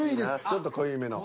ちょっと濃ゆいめの。